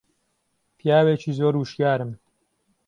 پیاوێکی زۆر وشیارم